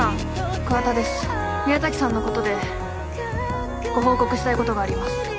桑田です宮崎さんのことでご報告したいことがあります